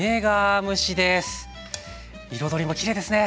彩りもきれいですね。